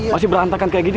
masih berantakan kayak gini